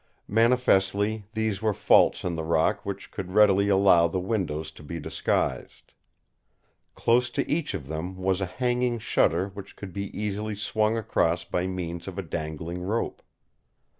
Manifestly these were faults in the rock which would readily allow the windows to be disguised. Close to each of them was a hanging shutter which could be easily swung across by means of a dangling rope.